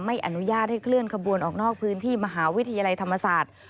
ไม่อนุญาตให้เคลื่อนขบวนออกนอกพื้นที่มหาวิทยาลัยธรรมศาสตร์